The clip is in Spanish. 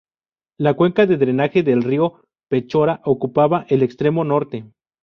La cuenca de drenaje del río Pechora ocupaba el extremo norte.